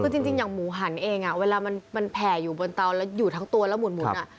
แต่พอรู้แล้วเป็นจราเข้ก็หวานอยู่ดี